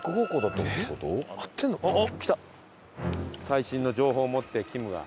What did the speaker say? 最新の情報を持ってきむが。